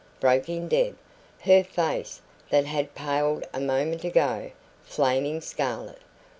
broke in Deb, her face, that had paled a moment ago, flaming scarlet.